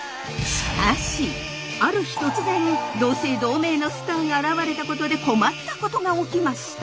ある日突然同姓同名のスターが現れたことで困ったことが起きました。